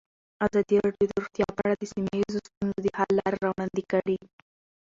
ازادي راډیو د روغتیا په اړه د سیمه ییزو ستونزو حل لارې راوړاندې کړې.